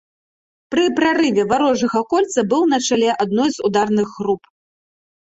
Пры прарыве варожага кольца быў на чале адной з ударных груп.